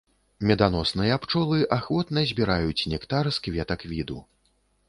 Меданосныя пчолы ахвотна збіраюць нектар з кветак віду.